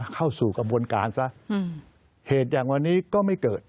กับวนการซะเหตุอย่างวันนี้ก็ไม่เกิด